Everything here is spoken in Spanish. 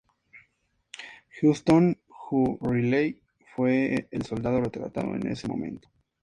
Huston Hu Riley fue el soldado retratado en ese momento.